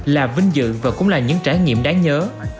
là vinh dự và cũng là những trải nghiệm đáng nhớ